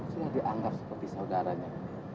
sudah dianggap seperti saudaranya